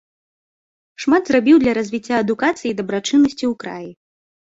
Шмат зрабіў для развіцця адукацыі і дабрачыннасці ў краі.